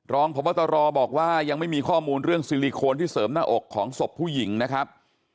รองพบตรบอกว่ายังไม่มีข้อมูลเรื่องซิลิโคนที่เสริมหน้าอกของศพผู้หญิงนะครับ